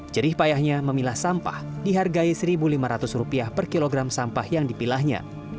jerih payahnya memilah sampah dihargai rp satu lima ratus per kilogram sampah yang dipilahnya